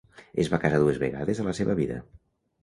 Es va casar dues vegades a la seva vida.